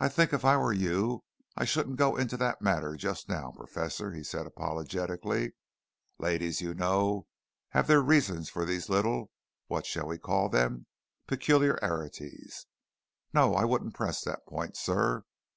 "I think if I were you, I shouldn't go into that matter just now, Professor," he said apologetically. "Ladies, you know, have their reasons for these little what shall we call 'em? peculiarities. No, I wouldn't press that point, sir.